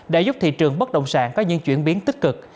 đã giúp thị trường bất động sản có những chuyển biến tích cực